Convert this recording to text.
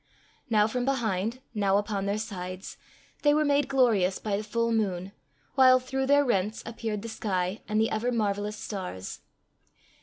Now from behind, now upon their sides, they were made glorious by the full moon, while through their rents appeared the sky and the ever marvellous stars.